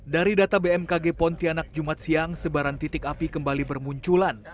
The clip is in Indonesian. dari data bmkg pontianak jumat siang sebaran titik api kembali bermunculan